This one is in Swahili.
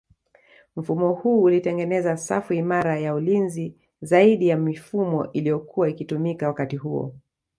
Mfumo huu ulitengeneza safu imara ya ulinzi zaidi ya mifumo iliyokua ikitumika wakati huo